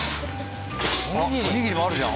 おにぎりがあるじゃん。